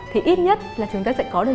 thì ít nhất là chúng ta sẽ có được